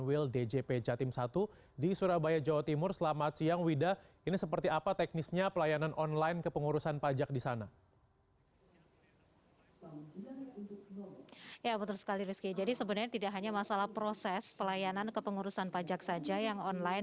ya betul sekali rizky jadi sebenarnya tidak hanya masalah proses pelayanan kepengurusan pajak saja yang online